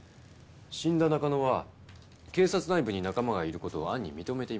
死んだ中野は警察内部に仲間がいる事を暗に認めていました。